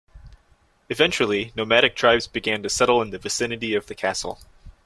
Eventually, nomadic tribes began to settle in the vicinity of the castle.